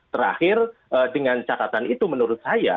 terakhir dengan catatan itu menurut saya